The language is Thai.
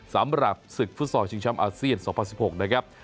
สำหรับศึกฟุตซอลชิงช้ำอาเซียน๒๐๑๖นะครับ